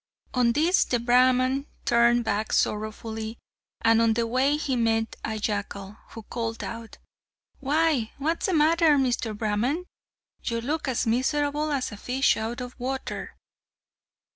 On this the Brahman turned back sorrowfully, and on the way he met a jackal, who called out, "Why, what's the matter, Mr. Brahman? You look as miserable as a fish out of water!"